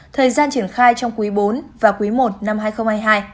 thời gian triển khai trong quý bốn và quý i năm hai nghìn hai mươi hai